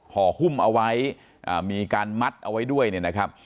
หอคุ่มเอาไว้มีการมัดเอาไว้ด้วยนะครับ